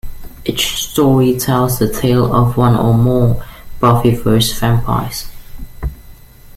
Each story tells the tale of one or more Buffyverse vampires.